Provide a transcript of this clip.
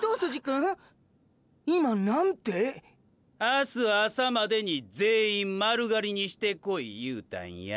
明日朝までに全員丸刈りにしてこい言うたんや。